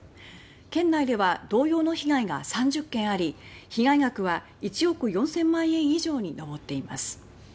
県内では同様の被害が３０件あり被害額は１億４０００万円以上に上っています。